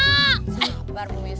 sabar bu messi